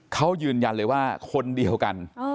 เขายืนยันเลยว่าคนเดียวกัน